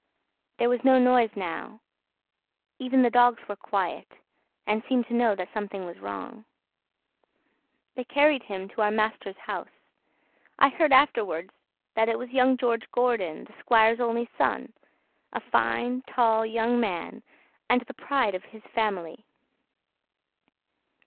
There was no noise now; even the dogs were quiet, and seemed to know that something was wrong. They carried him to our master's house. I heard afterward that it was young George Gordon, the squire's only son, a fine, tall young man, and the pride of his family.